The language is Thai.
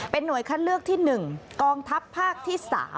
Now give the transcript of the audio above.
หน่วยคัดเลือกที่๑กองทัพภาคที่๓